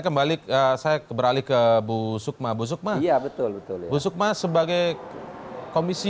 kembali saya beralih ke bu sukma bu sukma ya betul betul bu sukma sebagai komisi